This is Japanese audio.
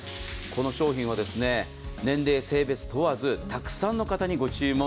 この商品は年齢、性別問わずたくさんの方々にご注文